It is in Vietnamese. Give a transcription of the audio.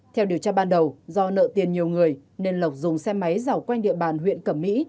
theo điều tra ban đầu do nợ tiền nhiều người nên lộc dùng xe máy dảo quanh địa bàn huyện cẩm mỹ